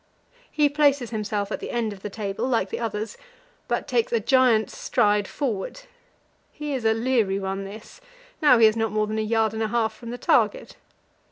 He places himself at the end of the table, like the others, but takes a giant's stride forward. He is a leery one, this; now he is not more than a yard and a half from the target.